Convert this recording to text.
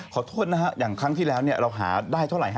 ขอโทษนะฮะอย่างครั้งที่แล้วเราหาได้เท่าไหร่